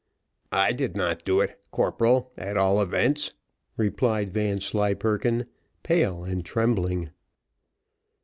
"I did not do it, corporal, at all events," replied Vanslyperken, pale and trembling.